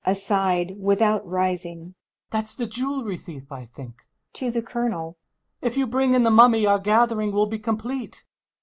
[Aside, withotd rising] That's the jewelry thief, I think [To the Colonel] If you bring in the Mummy, our gathering will be complete.